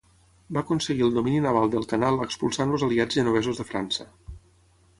Va aconseguir el domini naval del Canal expulsant els aliats genovesos de França.